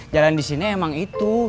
jalan di sini emang itu